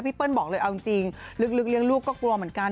เปิ้ลบอกเลยเอาจริงลึกเลี้ยงลูกก็กลัวเหมือนกัน